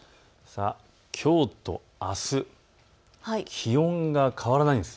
きょうとあす、気温が変わらないんです。